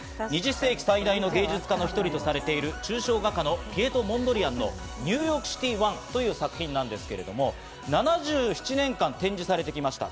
２０世紀最大の芸術家の１人とされている抽象画家のピエト・モンドリアンの『ニューヨークシティ１』という作品なんですが、７７年間展示されてきました。